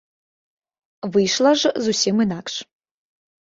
Выйшла ж зусім інакш.